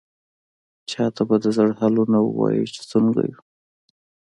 چا ته به د زړه حالونه ووايو، چې څنګه يو؟!